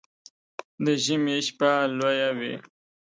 د ژمي شپه لويه وي